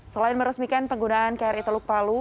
selain meresmikan penggunaan kri teluk palu